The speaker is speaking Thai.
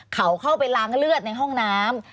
เขาเข้าไปล้างเลือดในห้องน้ำ